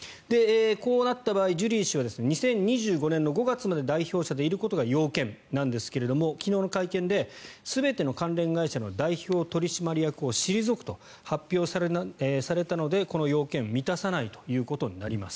こうなった場合、ジュリー氏は２０２５年の５月まで代表者としていることが要件なんですが昨日の会見で全ての会社の代表取締役を退くと発表されたのでこの要件を満たさないということになります。